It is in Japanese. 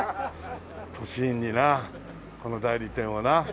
都心になこの代理店をなそうか。